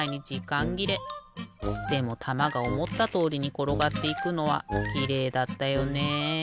でもたまがおもったとおりにころがっていくのはきれいだったよね。